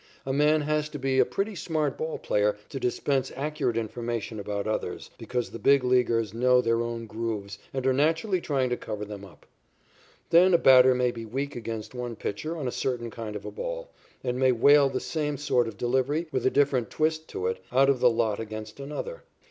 A man has to be a pretty smart ball player to dispense accurate information about others, because the Big Leaguers know their own "grooves" and are naturally trying to cover them up. Then a batter may be weak against one pitcher on a certain kind of a ball, and may whale the same sort of delivery, with a different twist to it, out of the lot against another.